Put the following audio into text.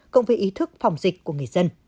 cộng với ý thức phòng dịch của người dân